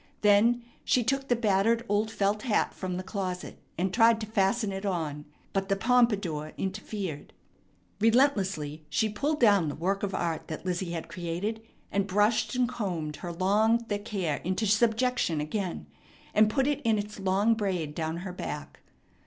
Then she took the battered old felt hat from the closet, and tried to fasten it on; but the pompadour interfered. Relentlessly she pulled down the work of art that Lizzie had created, and brushed and combed her long, thick hair into subjection again, and put it in its long braid down her back.